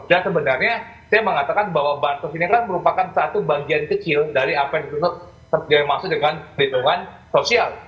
dan sebenarnya saya mengatakan bahwa bantuan ini merupakan satu bagian kecil dari apa yang dimaksud dengan pelindungan sosial